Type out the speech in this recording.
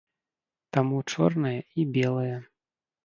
Таму чорнае і белае.